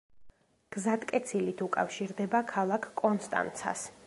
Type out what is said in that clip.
გზატკეცილით უკავშირდება ქალაქ კონსტანცას.